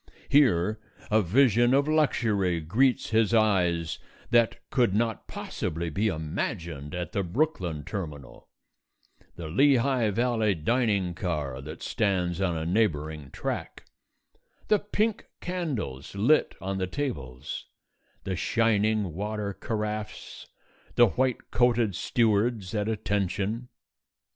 Here a vision of luxury greets his eyes that could not possibly be imagined at the Brooklyn terminal the Lehigh Valley dining car that stands on a neighbouring track, the pink candles lit on the tables, the shining water carafes, the white coated stewards at attention.